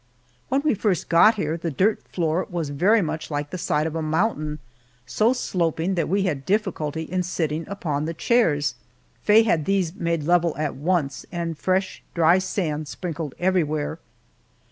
When we first got here the dirt floor was very much like the side of a mountain so sloping that we had difficulty in sitting upon the chairs. Faye had these made level at once, and fresh, dry sand sprinkled everywhere.